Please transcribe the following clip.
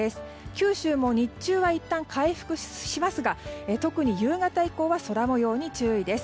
九州も日中はいったん回復しますが特に夕方以降は空模様に注意です。